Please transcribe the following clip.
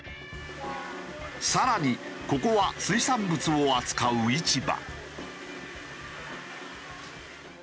更にここは水産物を扱う市場。